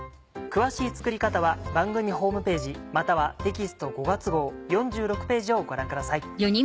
詳しい作り方は番組ホームページまたはテキスト５月号４６ページをご覧ください。